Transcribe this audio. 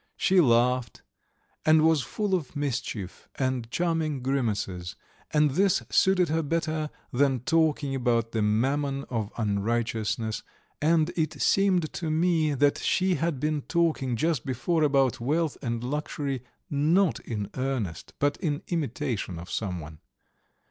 She laughed, and was full of mischief and charming grimaces, and this suited her better than talking about the mammon of unrighteousness, and it seemed to me that she had been talking just before about wealth and luxury, not in earnest, but in imitation of someone.